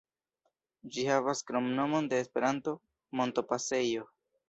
Ĝi havas kromnomon de Esperanto, "Montopasejo".